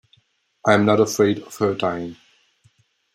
I am not afraid of her dying.